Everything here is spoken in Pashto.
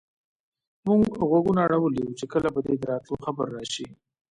موږ غوږونه اړولي وو چې کله به دې د راتلو خبر راشي.